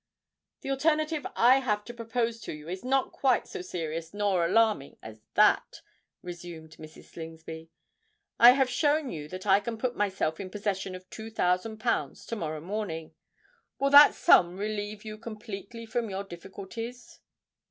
"The alternative I have to propose to you is not quite so serious nor alarming as that," resumed Mrs. Slingsby. "I have shown you that I can put myself in possession of two thousand pounds to morrow morning: will that sum relieve you completely from your difficulties?"